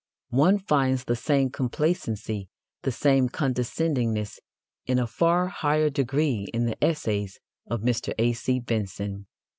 One finds the same complacency, the same condescendingness, in a far higher degree in the essays of Mr. A.C. Benson.